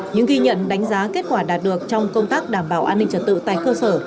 những ghi nhận đánh giá kết quả đạt được trong công tác đảm bảo an ninh trật tự tại cơ sở